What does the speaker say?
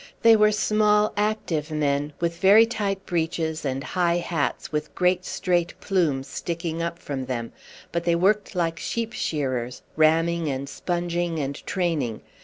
They were small active men, with very tight breeches and high hats with great straight plumes sticking up from them; but they worked like sheep shearers, ramming and sponging and training.